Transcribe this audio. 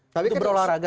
tapi kan itu berolahraga